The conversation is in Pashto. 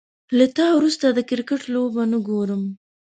له تا وروسته، د کرکټ لوبه نه ګورم